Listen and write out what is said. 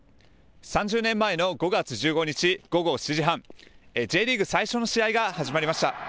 ３０年前の５月１５日午後７時半、Ｊリーグ最初の試合が始まりました。